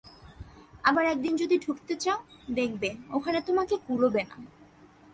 আবার একদিন যদি ঢুকতে চাও দেখবে, ওখানে তোমাকে কুলোবে না।